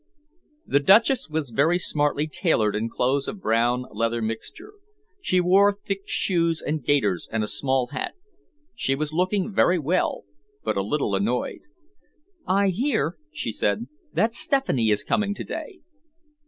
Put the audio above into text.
The Duchess was very smartly tailored in clothes of brown leather mixture. She wore thick shoes and gaiters and a small hat. She was looking very well but a little annoyed. "I hear," she said, "that Stephanie is coming to day."